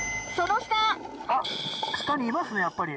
下にいますねやっぱり。